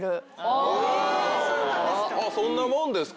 そんなもんですか！